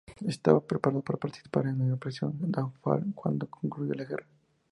Estaba preparado para participar en la Operación Downfall cuando concluyó la guerra.